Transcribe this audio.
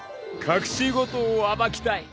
［隠し事を暴きたい］